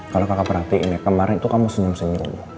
kalau kakak perhatiin ya kemarin tuh kamu senyum senyum